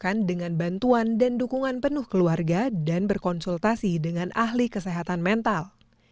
diberikan dengan bantuan dan dukungan penuh keluarga dan berkonsultasi dengan ahli kesehatan mental